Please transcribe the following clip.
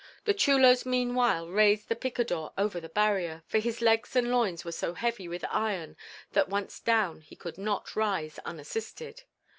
The chulos meanwhile raised the picador over the barrier, for his legs and loins were so heavy with iron that once down he could not rise unassisted.